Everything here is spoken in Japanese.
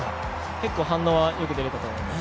結構、反応はよく出られたと思います。